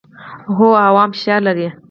هوا هم فشار لري.